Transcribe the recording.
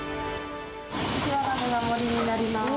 こちらがメガ盛になります。